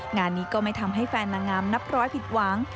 งานนี้ก็ไม่ทำให้แฟนนางงามนับร้อยผิดหวัง